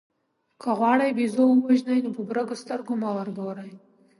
که غواړئ بېزو ووژنئ نو په برګو سترګو مه ورګورئ.